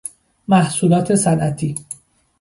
محصولات صنعتی